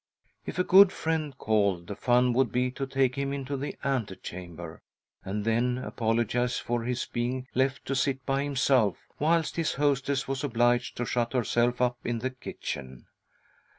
If a good friend called, the fun would be to.take him into the ante chamber and then apologise for his being left to sit by him self whilst his hostess was obliged to shut herself up in the kitchen.